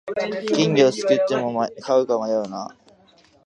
金魚すくっても飼うか迷うな